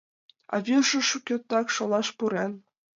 А вӱржӧ шукертак шолаш пурен.